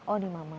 oh di mama